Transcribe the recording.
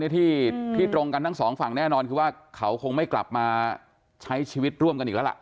ที่ตรงกันทั้งสองฝั่งแน่นอนคือว่าเขาคงไม่กลับมาใช้ชีวิตร่วมกันอีกแล้วล่ะ